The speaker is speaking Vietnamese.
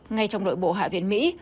ngay trong nội bộ hạ viện mỹ